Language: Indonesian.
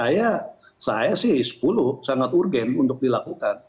saya sih sepuluh sangat urgen untuk dilakukan